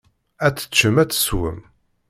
Ad teččem, ad teswem.